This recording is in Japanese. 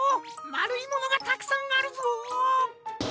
まるいものがたくさんあるぞっ！